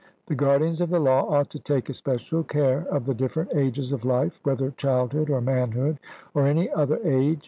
The guardians of the law ought to take especial care of the different ages of life, whether childhood, or manhood, or any other age.